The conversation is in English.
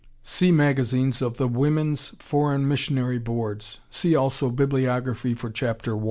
See magazines of the Women's Foreign Missionary Boards. See also Bibliography for Chapter I.